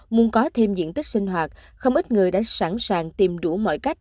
muốn có thêm diện tích sinh hoạt không ít người đã sẵn sàng tìm đủ mọi cách